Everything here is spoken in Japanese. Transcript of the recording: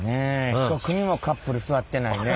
一組もカップル座ってないね。